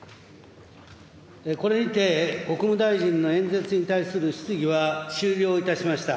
これにて国務大臣の演説に対する質疑は終了いたしました。